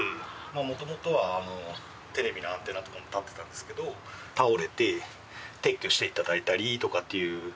まあもともとはあのテレビのアンテナとかも立ってたんですけど倒れて撤去していただいたりとかっていう。